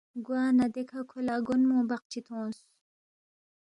گوانہ دیکھہ کھو لہ گونگمو بقچی تھونگس